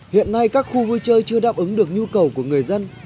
hiện nay các khu vui chơi chưa đáp ứng được nhu cầu của người dân